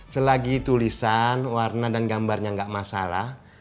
selagi tulisan warna dan gambarnya nggak masalah